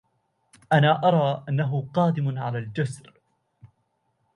أنا أرى أنه قادم على الجسر